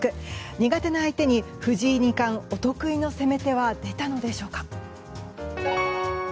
苦手な相手に藤井二冠お得意の攻め手は出たのでしょうか。